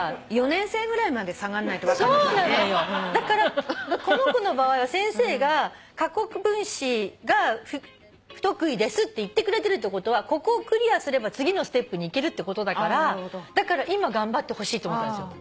だからこの子の場合は先生が「過去分詞が不得意です」って言ってくれてるってことはここをクリアすれば次のステップに行けるってことだからだから今頑張ってほしいって思ったんですよ。